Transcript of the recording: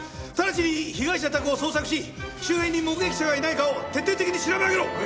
直ちに被害者宅を捜索し周辺に目撃者がいないかを徹底的に調べ上げろ！